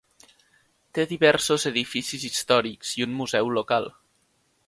Té diversos edificis històrics i un museu local.